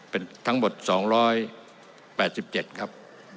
เป็นทั้งหมด๒๘๗ครับ